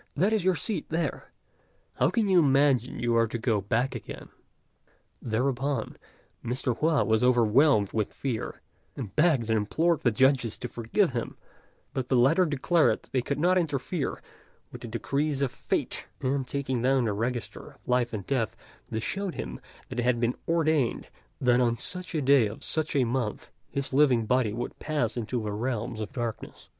that is your seat there; how can you imagine you are to go back again?" Thereupon Mr. Hua was overwhelmed with fear, and begged and implored the judges to forgive him; but the latter declared they could not interfere with the decrees of fate, and taking down the register of Life and Death they showed him that it had been ordained that on such a day of such a month his living body would pass into the realms of darkness.